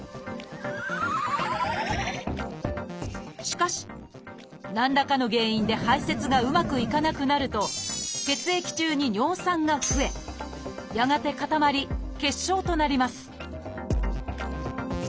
しかし何らかの原因で排せつがうまくいかなくなると血液中に尿酸が増えやがて固まり結晶となります